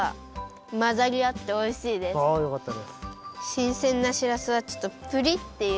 しんせんなしらすはちょっとプリッていうか。